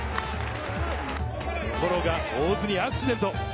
ところが大津にアクシデント。